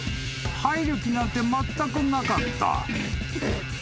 ［入る気なんてまったくなかった］